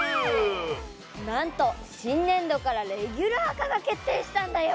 なんとしんねんどからレギュラー化が決定したんだよ！